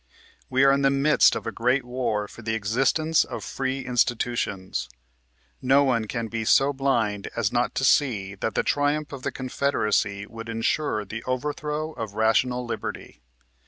We are in the midst of a great war for the existence of free institu tions. No one can be so blind as not to see that the triumph of the Con federacy would insure the overthrow of rational liberty.